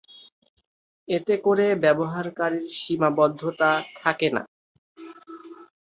এতে করে ব্যবহারকারীর সীমাবদ্ধতা থাকে না।